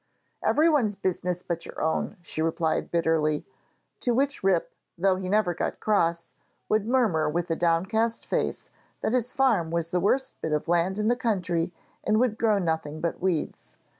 'Everyone's business but your own,' she replied bitterly, to which Rip, though he never got cross, would murmur with a downcast face that his farm was the worst bit of land in the country and would grow nothing but weeds.